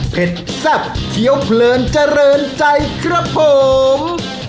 แซ่บเคี้ยวเพลินเจริญใจครับผม